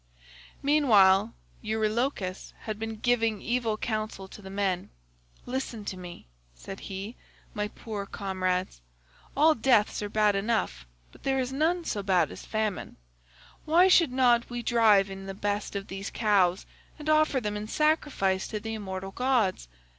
"Meanwhile Eurylochus had been giving evil counsel to the men, 'Listen to me,' said he, 'my poor comrades. All deaths are bad enough but there is none so bad as famine. Why should not we drive in the best of these cows and offer them in sacrifice to the immortal gods?